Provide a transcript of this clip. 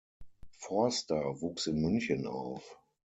Forster wuchs in München auf.